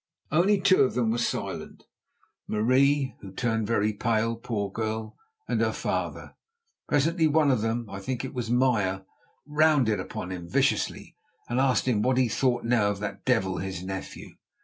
Only two of them were silent, Marie, who turned very pale, poor girl, and her father. Presently one of them, I think it was Meyer, rounded on him viciously and asked him what he thought now of that devil, his nephew.